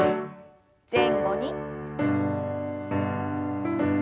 前後に。